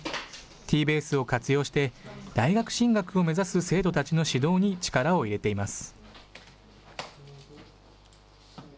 Ｔーｂａｓｅを活用して、大学進学を目指す生徒たちの指導に力を入れています。